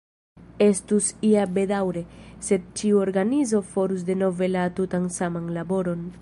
Estus ja bedaŭre, se ĉiu organizo farus denove la tutan saman laboron.